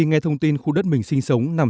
nghe thông tin khu đất mình sinh sống nằm